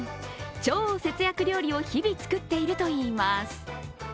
超節約料理を日々作っているといいます。